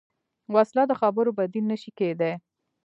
وسله د خبرو بدیل نه شي کېدای